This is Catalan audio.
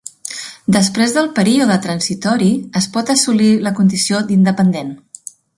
Després del període transitori, es pot assolir la condició d'independent.